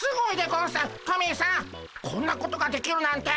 こんなことができるなんて。